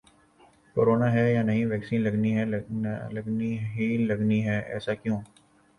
corona ہے یا نہیں ویکسین لگنی ہی لگنی ہے، ایسا کیوں